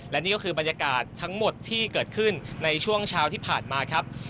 และนี่ก็คือบรรยากาศทั้งหมดที่เกิดขึ้นในช่วงเช้าที่ผ่านมาครับ